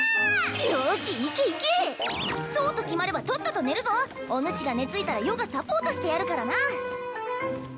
よしいけいけそうと決まればとっとと寝るぞおぬしが寝ついたら余がサポートしてやるからな